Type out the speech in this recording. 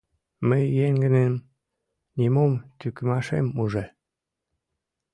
Мый еҥыным нимом тӱкымашем уже.